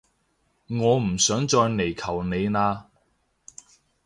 我唔想再嚟求你喇